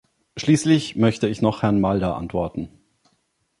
Schließlich möchte ich noch Herrn Mulder antworten.